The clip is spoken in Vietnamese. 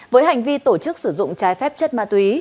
với hành vi tổ chức sử dụng trái phép chất ma túy